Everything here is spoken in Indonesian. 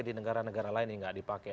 di negara negara lain ini nggak dipakai